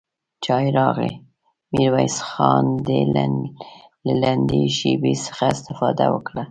چای راغی، ميرويس خان له لنډې شيبې څخه استفاده وکړه.